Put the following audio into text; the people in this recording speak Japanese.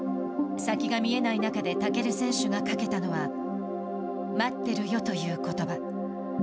先が見えない中で尊選手がかけたのは待ってるよということば。